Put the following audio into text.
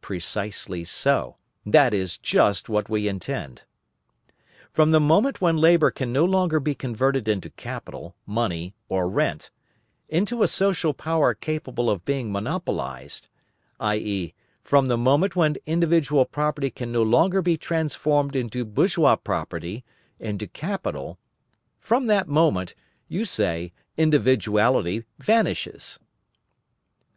Precisely so; that is just what we intend. From the moment when labour can no longer be converted into capital, money, or rent, into a social power capable of being monopolised, i.e., from the moment when individual property can no longer be transformed into bourgeois property, into capital, from that moment, you say individuality vanishes.